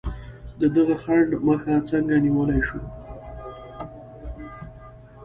د دغه خنډ مخه څنګه نیولای شو؟